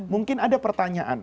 mungkin ada pertanyaan